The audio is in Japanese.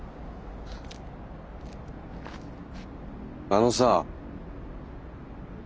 あのさ。